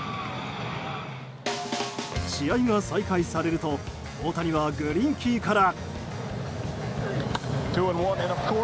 試合が再開されると大谷はグリンキーから。